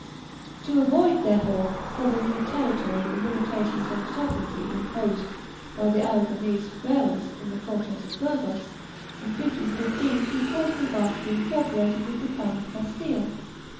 To avoid, therefore, for the new territory the limita tions on sovereignty imposed by the Aragonese fueros, in the Cortes of Burgos, in 1515, he caused Navarre to be incorporated with the crown of Castile.